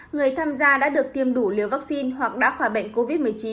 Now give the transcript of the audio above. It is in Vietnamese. người tham gia đã được tiêm đủ liều vaccine hoặc đã khỏi bệnh covid một mươi chín